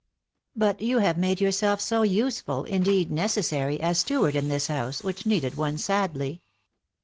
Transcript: "But you have made yourself so useful, indeed necessary, as steward in this house, which needed one sadly."